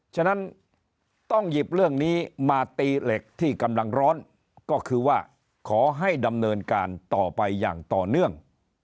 ฉะนั้นต้องหยิบเรื่องนี้มาตีเหล็กที่กำลังร้อนก็คือว่าขอให้ดำเนินการต่อไปอย่างต่อเนื่อง